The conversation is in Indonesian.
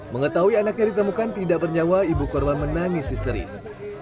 mengetahui anaknya ditemukan tidak bernyawa ibu korban menangis histeris